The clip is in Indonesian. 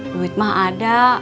duit mah ada